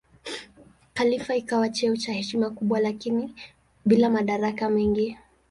Khalifa ikawa cheo cha heshima kubwa lakini bila madaraka mengi.